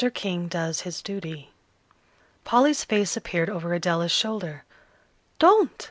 KING DOES HIS DUTY Polly's face appeared over Adela's shoulder. "Don't!"